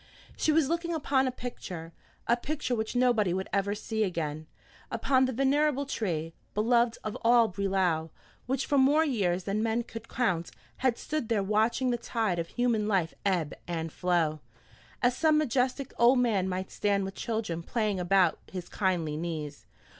She was looking upon a picture, a picture which nobody would ever see again; upon the venerable tree, beloved of all Brelau, which for more years than men could count, had stood there watching the tide of human life ebb and flow, as some majestic old man might stand with children playing about his kindly knees.